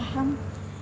makasih ya bu